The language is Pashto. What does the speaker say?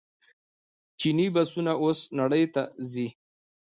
چیني بسونه اوس نړۍ ته ځي.